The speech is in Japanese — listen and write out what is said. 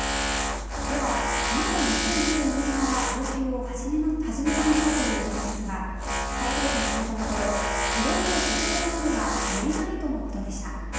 では、なぜ２０１４年から要求を始めたのかという点ですが台東区に聞いたところ色々事情はあるが言えないとのことでした。